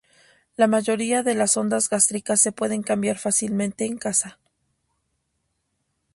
La mayoría de las sondas gástricas se pueden cambiar fácilmente en casa.